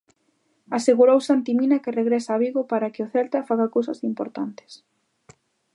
Asegurou Santi Mina que regresa a Vigo para que o Celta faga cousas importantes.